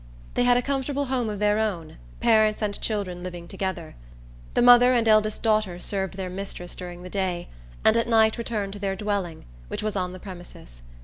They had a comfortable home of their own, parents and children living together. The mother and eldest daughter served their mistress during the day, and at night returned to their dwelling, which was on the premises.